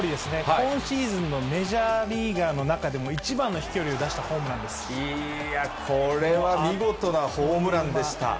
今シーズンのメジャーリーガーの中でも一番の飛距離を出したホーいや、これは見事なホームランでした。